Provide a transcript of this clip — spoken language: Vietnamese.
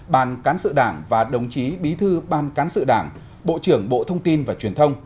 ban cán sự đảng và đồng chí bí thư ban cán sự đảng bộ trưởng bộ thông tin và truyền thông